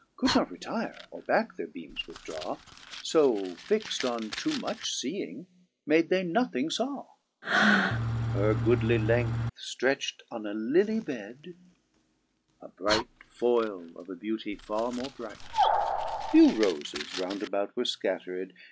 Could not retire, or backe their beams withdraw, So fixt on too much feeing made they nothing faw. 2. Her goodly length ftretcht on a lilly bed, (A bright foyle of a beauty farre more bright) Few rofes round about were fcattered.